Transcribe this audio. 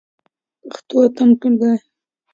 پښتو اتم ټولګی.